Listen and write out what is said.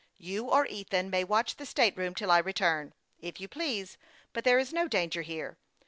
" You or Ethan may watch the state room till I v return, if you please ; but there is no danger here.